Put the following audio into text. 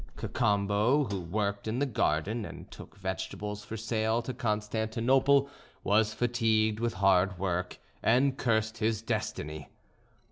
Cacambo, who worked in the garden, and took vegetables for sale to Constantinople, was fatigued with hard work, and cursed his destiny.